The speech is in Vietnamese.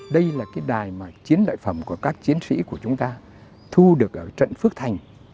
đây là cái đài mà chiến đại phẩm của các chiến sĩ của chúng ta thu được ở trận phước thành